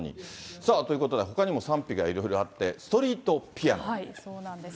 さあ、ということでほかにも賛否がいろいろあって、ストリートピそうなんです。